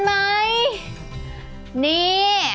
มั้ยนี่